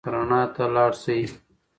رڼا ته لاړ شئ.